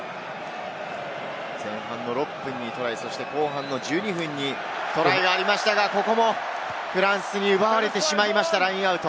前半６分にトライ、そして後半１２分にトライがありましたが、ここもフランスに奪われてしまいました、ラインアウト。